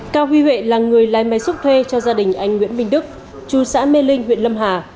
cao huy huệ là người lái máy xúc thuê cho gia đình anh nguyễn minh đức chú xã mê linh huyện lâm hà